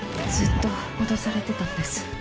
ずっと脅されてたんです。